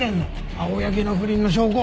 青柳の不倫の証拠。